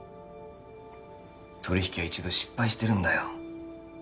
取引は一度失敗してるんだよ